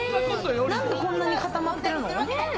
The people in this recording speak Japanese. なんでこんなにかたまってるの？